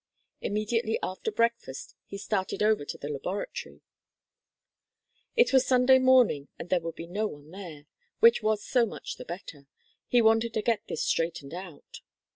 Immediately after breakfast he started over to the laboratory. It was Sunday morning and there would be no one there, which was so much the better. He wanted to get this straightened out.